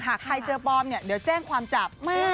หากใครเจอปลอมเนี่ยเดี๋ยวแจ้งความจับ